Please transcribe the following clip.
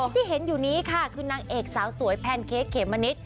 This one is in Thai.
ที่เห็นอยู่นี้ค่ะคือนางเอกสาวสวยแพนเค้กเขมมะนิด